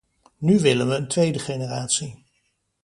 Nu willen we een tweede generatie.